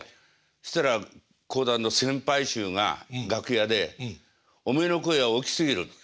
そしたら講談の先輩衆が楽屋で「おめえの声は大きすぎる。